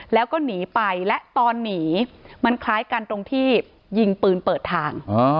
แล้วก็หนีไปและตอนหนีมันคล้ายกันตรงที่ยิงปืนเปิดทาง